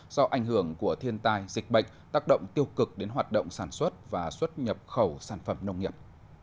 do ảnh hưởng của thiên tai dịch bệnh tác động tiêu cực đến hoạt động sản xuất và xuất nhập khẩu sản phẩm nông nghiệp